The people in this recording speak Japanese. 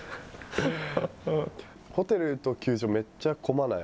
ホテルと球場、めっちゃ混まない？